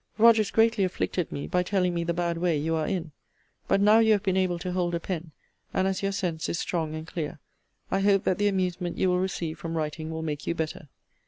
Rogers greatly afflicted me, by telling me the bad way you are in. But now you have been able to hold a pen, and as your sense is strong and clear, I hope that the amusement you will receive from writing will make you better.